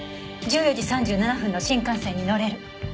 １４時３７分の新幹線に乗れる。